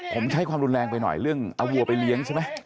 ผมใช้ความรุนแรงไปหน่อยเรื่องเอาวัวไปเลี้ยงใช่ไหม